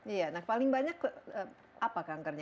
iya nah paling banyak apa kankernya